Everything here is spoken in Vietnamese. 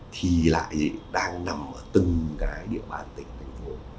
thì lại đang nằm ở từng cái địa bàn tỉnh thành phố